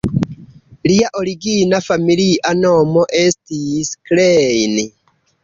Lia origina familia nomo estis "Klein".